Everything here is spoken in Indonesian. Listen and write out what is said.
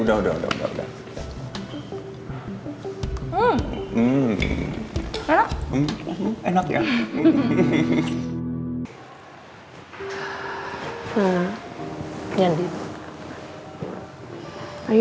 udah udah ganti aja